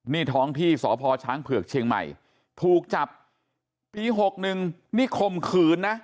นี่ท้องที่สพช้างเผือกเชียงใหม่ถูกจับปี๖๑นี่คมขืนนะ